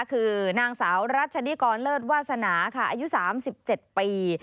คือนางสาวรัชนิกรเลิศวาสนาค่ะอายุ๓๗ปี